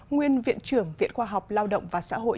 nguyên viện trưởng viện khoa học lao động và xã hội